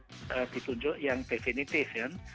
nah dikira kira sudah ditunjuk yang definitif